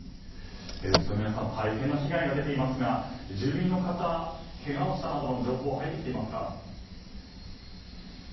宇都宮さん大変な被害が出ていますが住民の方、けがをしたなどの情報は入ってきていますか？